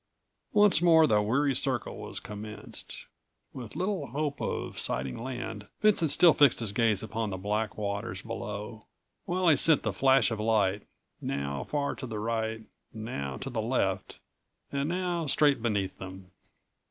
Once more the weary circle was commenced. With little hope of sighting land, Vincent still fixed his gaze upon the black waters below, while he sent the flash of light, now far to the right, now to the left, and now straight beneath them.